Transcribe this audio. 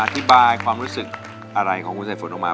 อธิบายความรู้สึกอะไรของคุณสายฝนออกมา